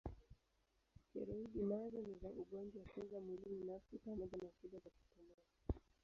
Steroidi nazo ni za ugonjwa kinga mwili nafsi pamoja na shida za kupumua.